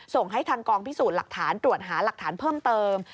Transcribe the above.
ส่งให้ทางกองพิสูจน์หลักฐานตรวจหาหลักฐานเพิ่มเติม